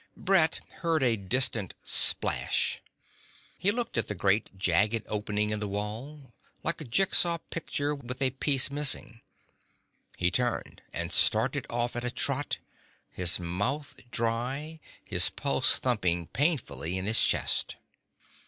Brett heard a distant splash. He looked at the great jagged opening in the wall like a jigsaw picture with a piece missing. He turned and started off at a trot, his mouth dry, his pulse thumping painfully in his chest.